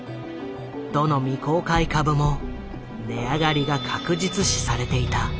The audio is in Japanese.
どの未公開株も値上がりが確実視されていた。